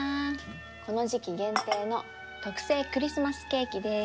この時期限定の特製クリスマスケーキです。